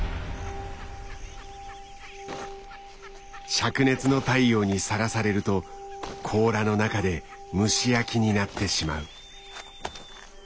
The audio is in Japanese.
灼熱の太陽にさらされると甲羅の中で蒸し焼きになってしまう。